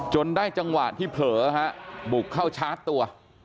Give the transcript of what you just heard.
ได้จังหวะที่เผลอบุกเข้าชาร์จตัว